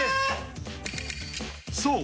［そう。